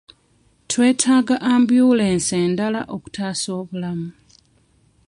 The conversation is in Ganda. Twetaaga ambyulensi endala okutaasa obulamu.